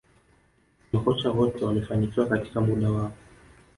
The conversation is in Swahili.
Makocha wote wamefanikiwa katika muda wao